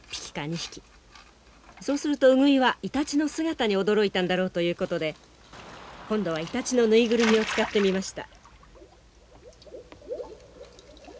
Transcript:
そうするとウグイはイタチの姿に驚いたんだろうということで今度はイタチの縫いぐるみを使ってみました。